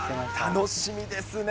楽しみですね。